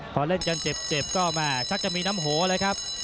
พอเล่นกันเจ็บก็แม่ชักจะมีน้ำโหเลยครับ